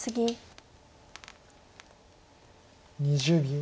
２０秒。